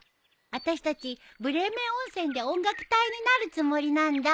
あたしたちブレーメン温泉で音楽隊になるつもりなんだ。